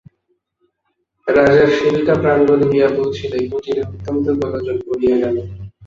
রাজার শিবিকা প্রাঙ্গণে গিয়া পৌঁছিলে কুটিরে অত্যন্ত গোলযোগ পড়িয়া গেল।